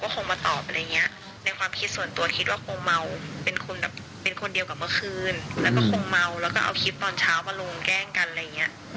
คิดส่วนตัวคิดว่าคงเมาเป็นคนเดียวกับเมื่อคืนแล้วก็คงเมาแล้วก็เอาคลิปตอนเช้ามาลงแกล้งกันอะไรอย่างนี้